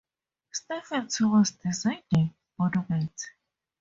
Steffen Thomas designed the monument.